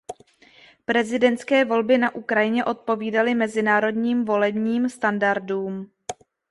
Prezidentské volby na Ukrajině odpovídaly mezinárodním volebním standardům.